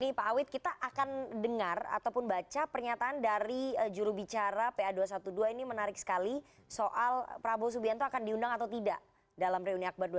pak awit kita akan dengar ataupun baca pernyataan dari jurubicara pa dua ratus dua belas ini menarik sekali soal prabowo subianto akan diundang atau tidak dalam reuni akbar dua ribu